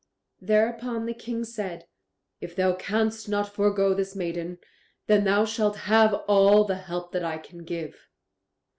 Thereupon the King said. "If thou canst not forego this maiden, then thou shalt have all the help that I can give."